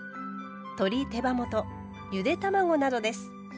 鶏手羽元ゆで卵などです。